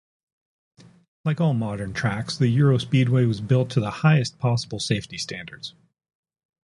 Like all modern tracks, the EuroSpeedway was built to the highest possible safety standards.